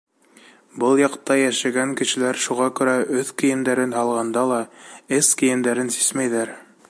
Был яҡта йәшәгән кешеләр шуға күрә өҫ кейемдәрен һалғанда ла, эс кейемдәрен сисмәйҙәр.